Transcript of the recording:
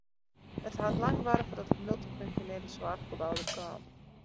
It hat lang duorre foardat it multyfunksjonele soarchgebou der kaam.